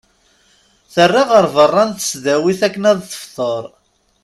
Terra ɣer berra n tesdawit akken ad tefḍer.